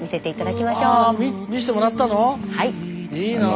いいなぁ。